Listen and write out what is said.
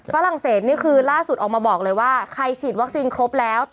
ฝรั่งเศสนี่คือล่าสุดออกมาบอกเลยว่าใครฉีดวัคซีนครบแล้ว